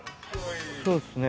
そうっすね。